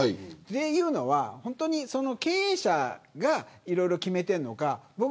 というのは経営者がいろいろと決めているのか。